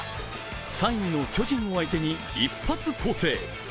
３位の巨人を相手に一発攻勢！